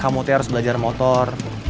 kamu juga berapa kali nyamar kesini tintin